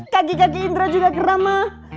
kaki kaki indra juga keram mah